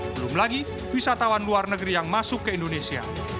belum lagi wisatawan luar negeri yang masuk ke indonesia